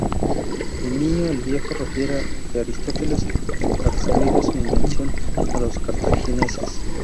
Plinio el Viejo refiere que Aristóteles adscribe su invención a los cartagineses.